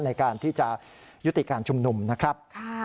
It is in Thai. ในการที่จะยุติการชุมนุมนะครับ